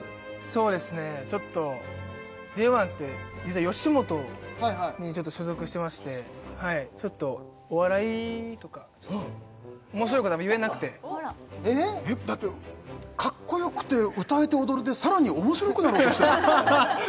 そうですねちょっとＪＯ１って実は吉本にちょっと所属してましてちょっとお笑いとか面白いことあんま言えなくてえっだってかっこよくて歌えて踊れてさらに面白くなろうとしてるの？